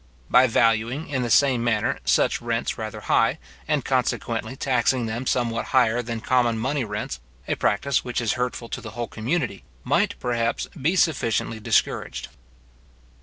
By valuing, in the same manner, such rents rather high, and consequently taxing them somewhat higher than common money rents, a practice which is hurtful to the whole community, might, perhaps, be sufficiently discouraged.